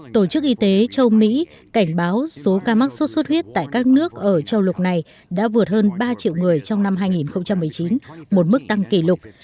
tổ chức y tế châu mỹ cảnh báo số ca mắc sốt xuất huyết tại các nước ở châu lục này đã vượt hơn ba triệu người trong năm hai nghìn một mươi chín một mức tăng kỷ lục